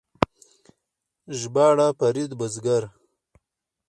ژباړه فرید بزګر